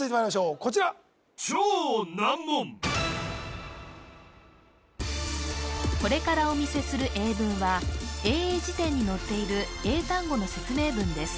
こちらこれからお見せする英文は英英辞典に載っている英単語の説明文です